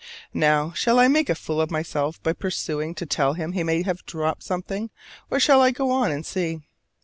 Now, shall I make a fool of myself by pursuing to tell him he may have dropped something, or shall I go on and see?